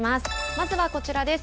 まずはこちらです。